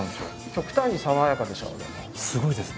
極端に爽やかでしょうでも。